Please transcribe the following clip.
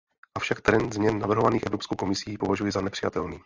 Avšak trend změn navrhovaných Evropskou komisí považuji za nepřijatelný.